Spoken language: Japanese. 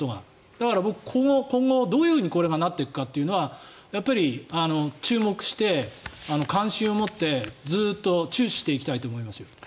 だから僕、今後どういうふうにこれがなっていくかは注目して、関心を持ってずっと注視していきたいと思います。